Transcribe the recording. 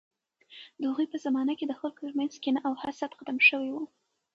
د هغوی په زمانه کې د خلکو ترمنځ کینه او حسد ختم شوی و.